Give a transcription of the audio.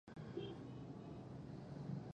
د ددوى په اند اساسي علت يې د ښځې جسم دى.